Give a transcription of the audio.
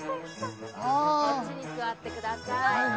あっちに座ってください